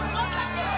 tuh tuh tuh